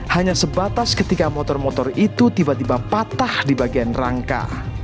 hanya sebatas ketika motor motor itu tiba tiba patah di bagian rangka